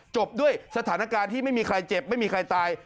จบด้วยสถานการณ์ที่ไม่มีใครเจ็บไม่มีใครตาย